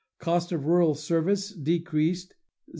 Cost of rural service decreased 0.